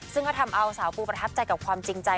ซึ่งก็ทำเอาสาวปูประทับใจกับความจริงใจ